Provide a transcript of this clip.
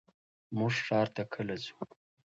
مونږ ښار ته کله ځو؟